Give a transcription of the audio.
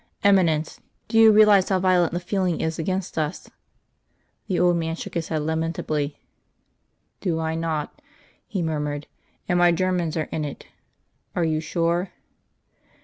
Eminence, do you realise how violent the feeling is against us?" The old man shook his head lamentably. "Do I not?" he murmured. "And my Germans are in it? Are you sure?"